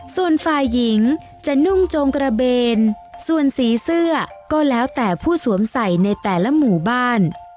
ส่วนฝ่ายหญิงจะนุ่งจงกระเบนส่วนสีเสื้อก็แล้วแต่ผู้สวมใส่ในแต่ละหมู่บ้าน